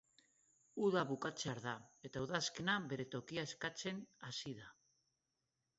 Uda bukatzear da, eta udazkena bere tokia eskatzen hasi da.